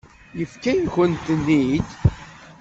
Yefka-yakent-ten-id.